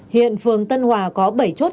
hiện phường tân hòa có bảy chốt